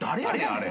あれ。